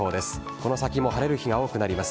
この先も晴れる日が多くなります。